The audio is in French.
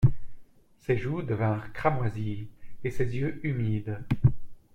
Ses joues devinrent cramoisies, et ses yeux humides.